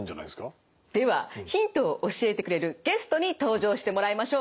ではヒントを教えてくれるゲストに登場してもらいましょう。